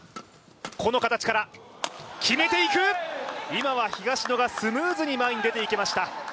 今は東野がスムーズに前に出て行きました。